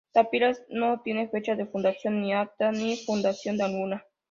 Tapiales no tiene fecha de fundación ni acta de fundación alguna.